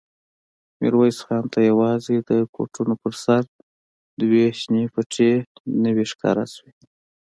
ميرويس خان ته يواځې د کوټونو پر سر دوې شنې پټې نوې ښکاره شوې.